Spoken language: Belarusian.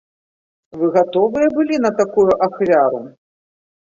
Вы гатовыя былі на такую ахвяру?